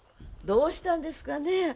どうしたんですかねえ。